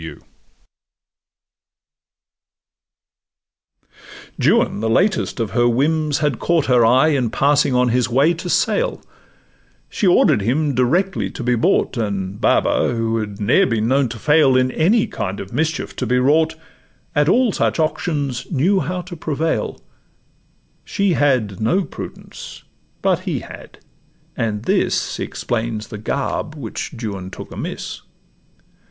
Juan, the latest of her whims, had caught Her eye in passing on his way to sale; She order'd him directly to be bought, And Baba, who had ne'er been known to fail In any kind of mischief to be wrought, At all such auctions knew how to prevail: She had no prudence, but he had; and this Explains the garb which Juan took amiss.